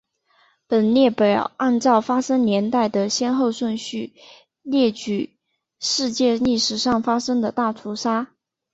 本列表按照发生年代的先后顺序列举世界历史上发生的大屠杀。